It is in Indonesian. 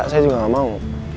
saya juga enggak mau